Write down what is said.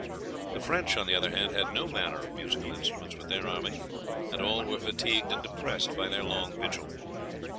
The French, on the other hand, had no manner of musical instruments with their army, and all were fatigued and depressed by their long vigil.